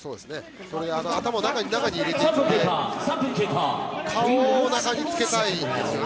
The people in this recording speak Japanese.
頭を中に入れているので顔をおなかにつけたいんですよね